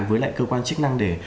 với lại cơ quan chức năng để